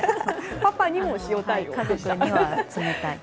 パパにも塩対応ですね。